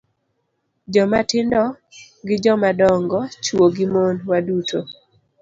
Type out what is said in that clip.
Jomatindo gi jomadongo, chwo gi mon, waduto